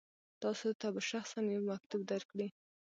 تاسو ته به شخصا یو مکتوب درکړي.